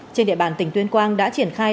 trên địa bàn tỉnh tuyên quang đã triển khai